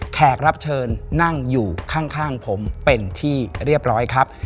แขกรับเชิญนั่งอยู่ข้างผมเป็นที่เรียบร้อยครับ